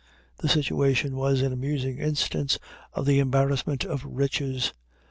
The situation was an amusing instance of the embarrassment of riches.